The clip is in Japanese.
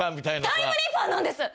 タイムリーパーなんです！